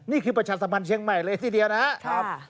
ประชาสัมพันธ์เชียงใหม่เลยทีเดียวนะครับ